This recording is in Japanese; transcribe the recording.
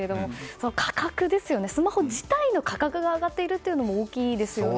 そのスマホ自体の価格が上がっているというのも大きいですよね。